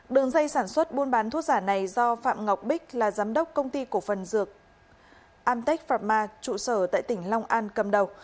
đường dây sản xuất buôn bán thuốc giả này do phạm ngọc bích là giám đốc công ty cổ phần dược amtech frama trụ sở tại tỉnh long an cầm đầu